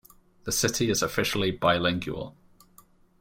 The city is officially bilingual.